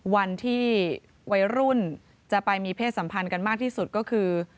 วันที่วัยรุ่นจะไปมีเพศสัมพันธ์กันมากที่สุดก็คือ